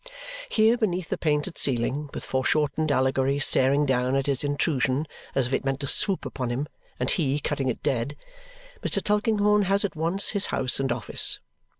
Here, beneath the painted ceiling, with foreshortened Allegory staring down at his intrusion as if it meant to swoop upon him, and he cutting it dead, Mr. Tulkinghorn has at once his house and office.